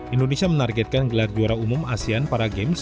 indonesia menargetkan gelar juara umum asean para games